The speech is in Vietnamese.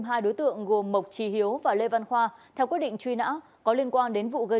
hai đối tượng gồm mộc trí hiếu và lê văn khoa theo quyết định truy nã có liên quan đến vụ gây